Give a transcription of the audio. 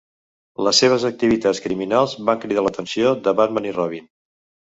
Les seves activitats criminals van cridar l'atenció de Batman i Robin.